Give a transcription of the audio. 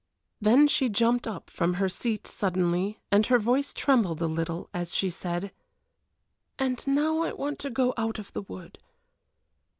Then she jumped up from her seat suddenly, and her voice trembled a little as she said: "And now I want to go out of the wood."